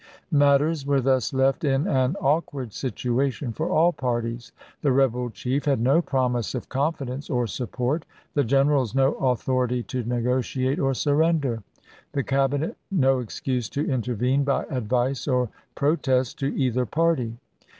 Matters were thus left in an awkward situation for all parties : the rebel chief had no promise of confidence or support; the generals no authority to negotiate or surrender; the Cabinet no excuse to intervene by advice or protest to either party.